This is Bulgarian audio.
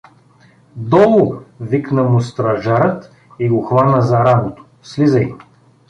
— Долу! — викна му стражарят и го хвана за рамото. — Слизай!